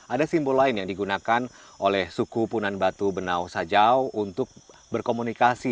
ada simbol lain yang digunakan oleh suku punan batu benau sajau untuk berkomunikasi